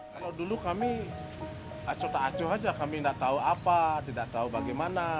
kalau dulu kami acut acuh saja kami tidak tahu apa tidak tahu bagaimana